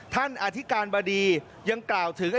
อธิการบดียังกล่าวถึง